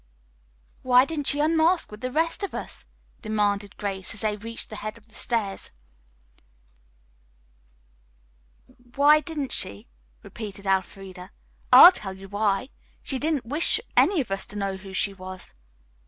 "Why didn't she unmask with the rest of us?" demanded Grace, as they reached the head of the stairs. "Why didn't she?" repeated Elfreda. "I'll tell you why. She didn't wish any of us to know who she was.